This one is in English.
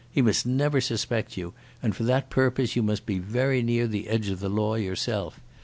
He must never suspect you, and for that purpose you must be very near the edge of the law yourself.